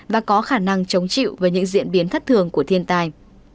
và có khả năng chống chịu với những diễn biến thất thường của thiên tai